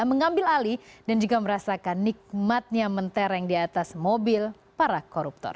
mengambil alih dan juga merasakan nikmatnya mentereng di atas mobil para koruptor